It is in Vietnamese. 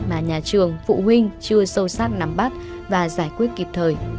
mà nhà trường phụ huynh chưa sâu sát nắm bắt và giải quyết kịp thời